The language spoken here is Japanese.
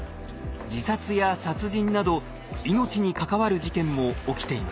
自殺や殺人など命に関わる事件も起きています。